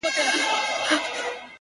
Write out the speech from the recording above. سپوږمۍ هغې ته په زاریو ویل ـ